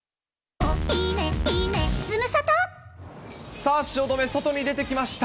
さあ、汐留、外に出てきました。